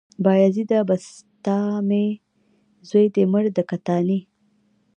بايزيده بسطامي، زوى دې مړ د کتاني